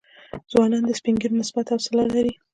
ځوانان د سپین ږیرو نسبت حوصله لري.